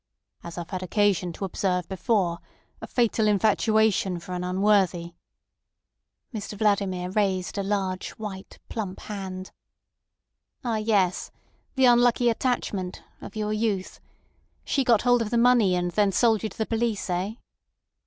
"As I've had occasion to observe before, a fatal infatuation for an unworthy—" Mr Vladimir raised a large white, plump hand. "Ah, yes. The unlucky attachment—of your youth. She got hold of the money, and then sold you to the police—eh?"